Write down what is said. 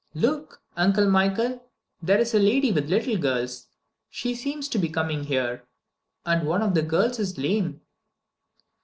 "Look, Uncle Michael! There is a lady with little girls! She seems to be coming here. And one of the girls is lame."